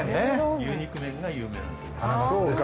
牛肉麺が有名なんです。